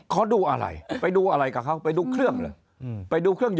ขอดูอะไร